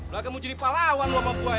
lah kamu jadi palawan lu sama gua ya